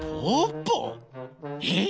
えっ？